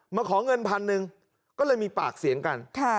ขอเงินพันหนึ่งก็เลยมีปากเสียงกัน